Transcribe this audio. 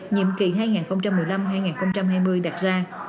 nhiệm kỳ hai nghìn một mươi năm hai nghìn hai mươi đặt ra